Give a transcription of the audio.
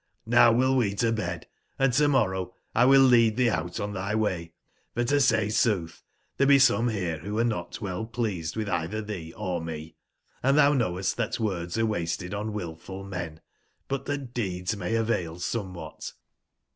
JVow will we to bed, and to/morrow X will lead tbee out on tby way : for to say sootb, tbere be some berewbo are not well pleased witbeitbertbeeorme; andtbouknowesttbat words are wasted on wilful men, but tbat deeds may avail somewbat.'